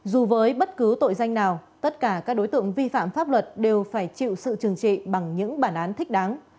dù với bất cứ tội danh nào tất cả các đối tượng vi phạm pháp luật đều phải chịu sự trừng trị bằng những bản án thích đáng